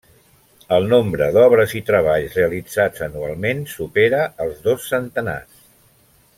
El nombre d'obres i treballs realitzats anualment supera els dos centenars.